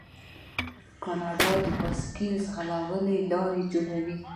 کاناډا د بایسکل ځغلولو لارې جوړوي.